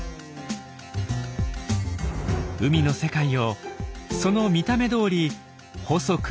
海の世界をその見た目どおり細く